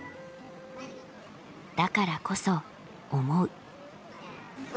だからこそ思う。